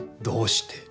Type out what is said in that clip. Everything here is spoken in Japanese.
どうして？